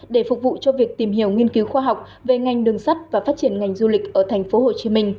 để phục vụ cho việc tìm hiểu nghiên cứu khoa học về ngành đường sắt và phát triển ngành du lịch ở tp hcm